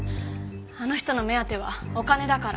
あの人の目当てはお金だから。